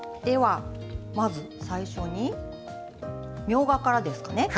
まず最初にみょうがからですかね。